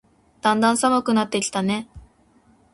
だんだん寒くなってきたね。